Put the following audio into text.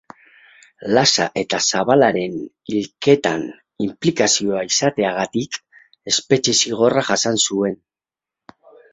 Lasa eta Zabalaren hilketan inplikazioa izateagatik, espetxe zigorra jasan zuen.